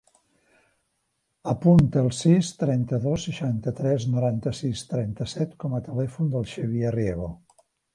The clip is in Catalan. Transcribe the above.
Apunta el sis, trenta-dos, seixanta-tres, noranta-sis, trenta-set com a telèfon del Xavier Riego.